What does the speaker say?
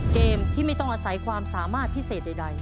เกมที่ไม่ต้องอาศัยความสามารถพิเศษใด